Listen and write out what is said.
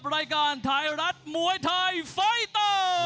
รายการไทยรัฐมวยไทยไฟเตอร์